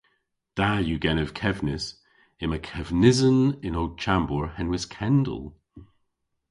Da yw genev kevnis. Yma kevnisen yn ow chambour henwys Kendal.